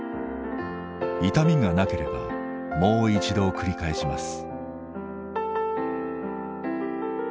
痛みがなければもう一度繰り返します。